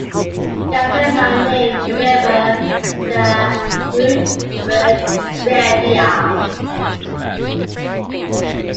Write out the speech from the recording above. Gabbema named the river the 'Groot Berg Rivier'.